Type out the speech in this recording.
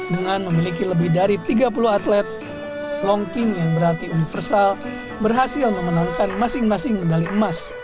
dengan memiliki lebih dari tiga puluh atlet long king yang berarti universal berhasil memenangkan masing masing medali emas